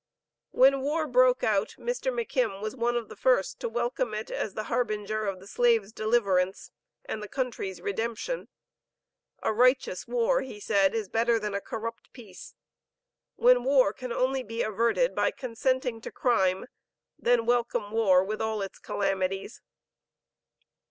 When the war broke out, Mr. McKim was one of the first to welcome it as the harbinger of the slave's deliverance, and the country's redemption. "A righteous war," he said, "is better than a corrupt peace. When war can only be averted by consenting to crime, then welcome war with all its calamities."